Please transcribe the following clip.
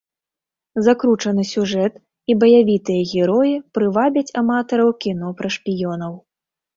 Закручаны сюжэт і баявітыя героі прывабяць аматараў кіно пра шпіёнаў.